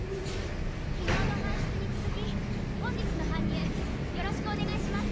昨日の搬出に続き本日の搬入よろしくお願いします！